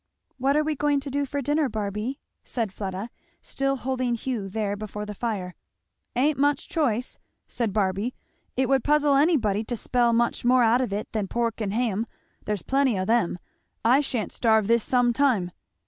"What are we going to do for dinner, Barby?" said Fleda, still holding Hugh there before the fire. "Ain't much choice," said Barby. "It would puzzle anybody to spell much more out of it than pork and ham. There's plenty o' them. I shan't starve this some time."